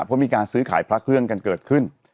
เพราะมีการซื้อขายพระเครื่องกันเกิดขึ้น